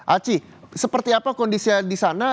aci seperti apa kondisinya di sana